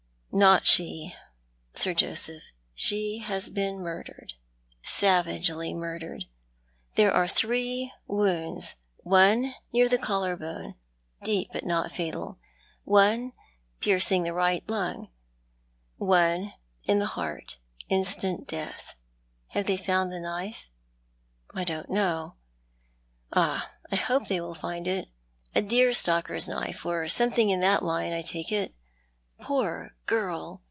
"Not she, Sir Josepli. She has been murdered — savagely murdered. There are three wounds — one near the collar bone — deep but not fatal — one piercing the right lung — one in the heart — instant death. Have they found the knife?" " I don't know." "Ah, I hope they will find it. A deer stalker's knife, or something in that line, I take it. Poor girl